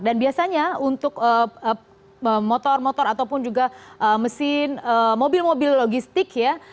dan biasanya untuk motor motor ataupun juga mesin mobil mobil logistik ya